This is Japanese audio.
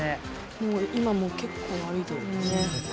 もう今も結構歩いてるんですね。